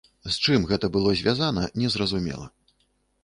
З чым гэта было звязана, незразумела.